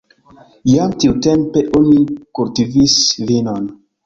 Jam tiutempe oni kultivis vinon.